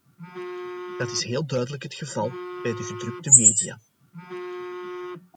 Dat is heel duidelijk het geval bij de gedrukte media.